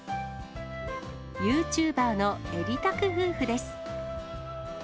ユーチューバーのえりたく夫婦です。